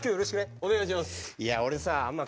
お願いします。